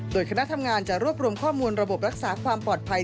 โดยคณะทำงานจะรวบรวมข้อมูลระบบรักษาความปลอดภัย